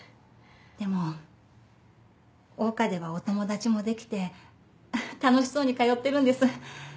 でも桜花ではお友達もできて楽しそうに通ってるんです。